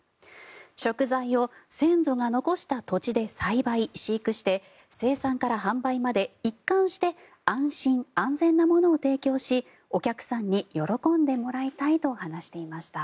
食材を先祖が残した土地で栽培・飼育して生産から販売まで一貫して安心安全なものを提供しお客さんに喜んでもらいたいと話していました。